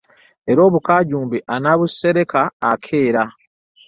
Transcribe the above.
Era obukajuumbe anaabusereka akeera .